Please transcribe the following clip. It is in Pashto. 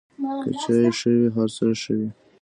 که چای ښه وي، هر څه ښه وي.